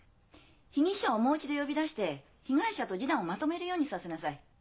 被疑者をもう一度呼び出して被害者と示談をまとめるようにさせなさい。